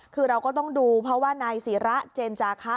คือเราก็ต้องดูเพราะว่านายศิระเจนจาคะ